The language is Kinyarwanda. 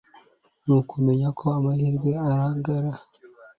Ntukemere ko amahirwe arengana